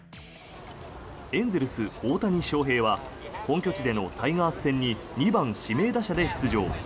エンゼルス、大谷翔平は本拠地でのタイガース戦に２番指名打者で出場。